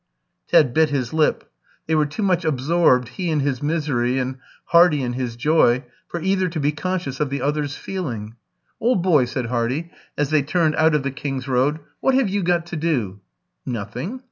Ted bit his lip. They were too much absorbed, he in his misery and Hardy in his joy, for either to be conscious of the other's feeling. "Old boy," said Hardy, as they turned out of the King's Road, "what have you got to do?" "Nothing."